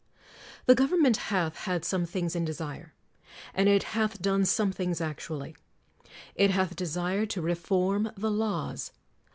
The government hath had some things in de sire ; and it hath done some things actually. It hath desired to reform the laws.